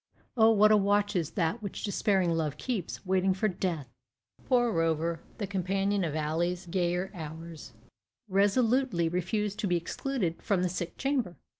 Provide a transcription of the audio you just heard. O, what a watch is that which despairing love keeps, waiting for death! Poor Rover, the companion of Ally's gayer hours, resolutely refused to be excluded from the sick chamber.